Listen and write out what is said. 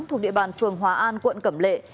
thuộc địa bàn phường hòa an quận cẩm lệ